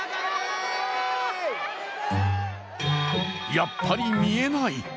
やっぱり見えない。